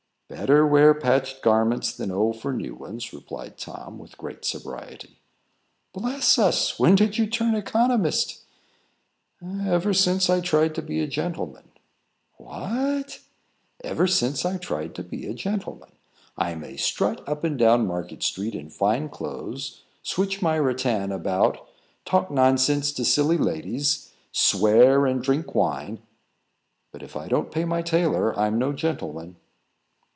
"Better wear patched garments than owe for new ones," replied Tom, with great sobriety. "Bless us! when did you turn economist?" "Ever since I tried to be a gentleman." "What?" "Ever since I tried to be a gentleman. I may strut up and down Market street in fine clothes, switch my rattan about, talk nonsense to silly ladies, swear, and drink wine; but if I don't pay my tailor, I'm no gentleman."